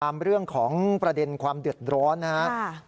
เรื่องของประเด็นความเดือดร้อนนะครับ